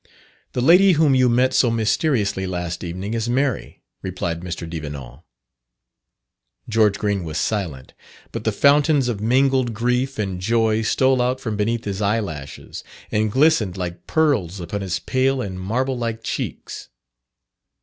"The lady whom you met so mysteriously last evening is Mary," replied Mr. Devenant. George Green was silent, but the fountains of mingled grief and joy stole out from beneath his eye lashes, and glistened like pearls upon his pale and marble like cheeks.